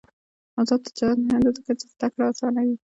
آزاد تجارت مهم دی ځکه چې زدکړه اسانوي.